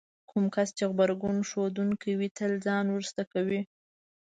کوم کس چې غبرګون ښودونکی وي تل ځان وروسته کوي.